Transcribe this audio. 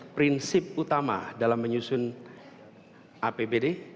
prinsip utama dalam menyusun apbd